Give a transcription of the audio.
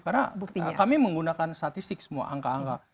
karena kami menggunakan statistik semua angka angka